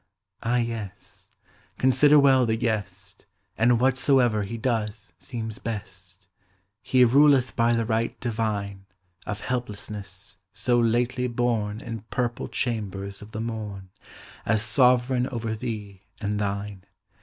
Ah, yes; consider well the guest. And whatsoe'er he does seems best; He ruleth by the right divine Of helplessness, so lately born In purple chambers of the morn, As sovereign over thee and thine.